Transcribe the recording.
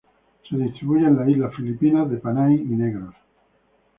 Se distribuye en las islas filipinas de Panay y Negros.